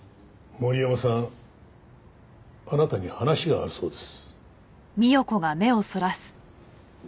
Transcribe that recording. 森山さんあなたに話があるそうです。